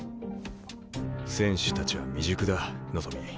選手たちは未熟だ望。